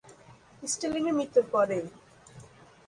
স্ট্যালিনের মৃত্যুর পরে, ই।